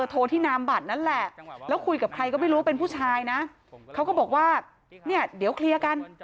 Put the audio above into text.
แต่ก็ไม่รู้เป็นผู้ชายนะเขาก็บอกว่าเนี่ยเดี๋ยวเคลียร์กัน